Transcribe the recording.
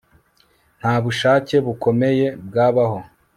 nta bushake bukomeye bwabaho